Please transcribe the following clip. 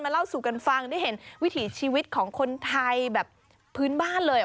เล่าสู่กันฟังได้เห็นวิถีชีวิตของคนไทยแบบพื้นบ้านเลย